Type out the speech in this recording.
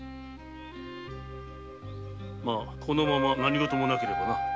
このまま何ごともなければな。